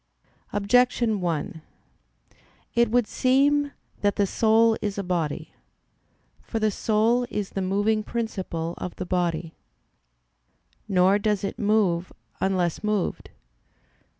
Objection 1: It would seem that the soul is a body. For the soul is the moving principle of the body. Nor does it move unless moved.